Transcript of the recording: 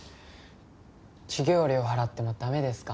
授業料払っても駄目ですか？